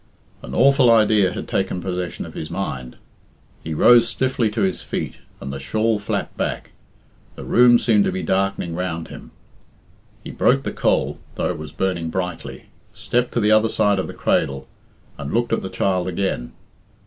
An awful idea had taken possession of his mind. He rose stiffly to his feet, and the shawl flapped back. The room seemed to be darkening round him. He broke the coal, though it was burning brightly, stepped to the other side of the cradle, and looked at the child again.